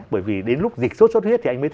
bởi vì đến lúc dịch sốt xuất huyết thì